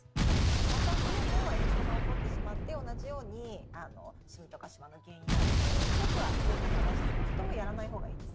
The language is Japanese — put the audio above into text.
摩擦でも炎症が起こってしまって同じようにシミとかシワの原因になるのでこの３つだけはどんな肌質の人もやらないほうがいいです。